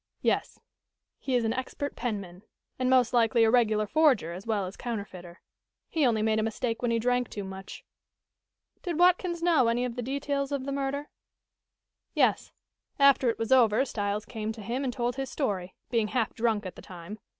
"Yes. He is an expert penman, and most likely a regular forger as well as counterfeiter. He only made a mistake when he drank too much." "Did Watkins know any of the details of the murder?" "Yes. After it was over, Styles came to him and told his story, being half drunk at the time.